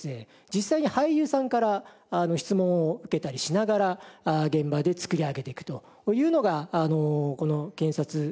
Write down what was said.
実際に俳優さんから質問を受けたりしながら現場で作り上げていくというのがこの検察監修という役割でした。